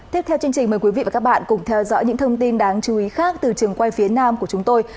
tiếp theo chương trình mời quý vị và các bạn cùng theo dõi những thông tin đáng chú ý khác từ trường quay phía nam của chúng tôi